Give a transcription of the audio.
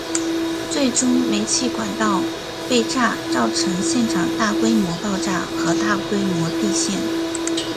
最终煤气管道被炸造成现场大规模爆炸和大规模地陷。